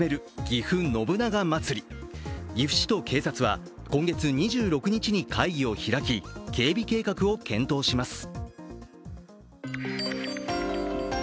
岐阜市と警察は今月２６日に会議を開き警備計画を検討します。